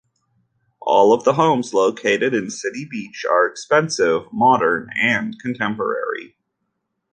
All of the homes located in City Beach are expensive, modern, and contemporary.